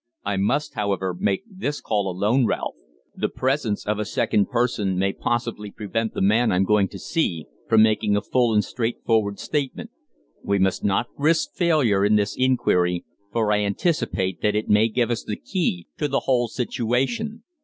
I must, however, make this call alone, Ralph. The presence of a second person may possibly prevent the man I'm going to see from making a full and straightforward statement. We must not risk failure in this inquiry, for I anticipate that it may give us the key to the whole situation.